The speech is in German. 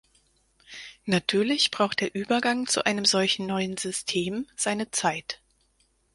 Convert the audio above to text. Natürlich braucht der Übergang zu einem solchen neuen System seine Zeit.